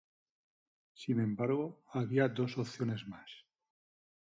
Sin embargo había dos opciones más.